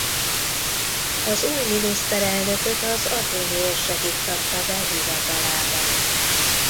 Az új miniszterelnököt az athéni érsek iktatta be hivatalába.